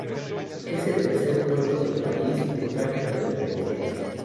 Es el tercer puerto del país de tráfico de mercancías.